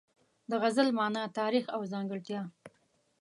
د غزل مانا، تاریخ او ځانګړتیا